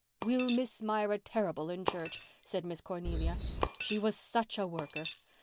"We'll miss Myra terrible in church," said Miss Cornelia. "She was such a worker.